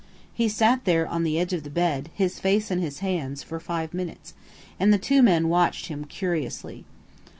He sat there on the edge of the bed, his face in his hands, for five minutes, and the two men watched him curiously.